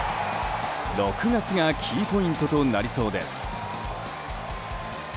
６月がキーポイントとなりそうです。